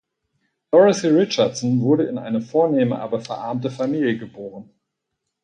Dorothy Richardson wurde in eine vornehme, aber verarmte Familie geboren.